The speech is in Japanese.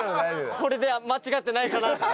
これで間違ってないかなって。